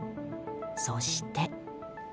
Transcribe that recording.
そして。